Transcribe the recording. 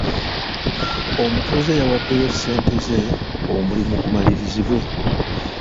Omutuuze yawaddeyo ssente ze omulimu gumalirizibwe.